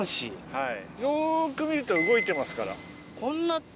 はい。